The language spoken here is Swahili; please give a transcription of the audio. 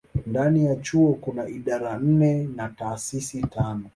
Ndani ya chuo kuna idara nne na taasisi tano.